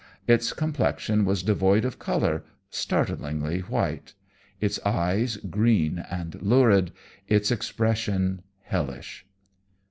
Its complexion was devoid of colour, startlingly white; its eyes green and lurid, its expression hellish.